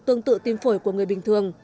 tương tự tim phổi của người bình thường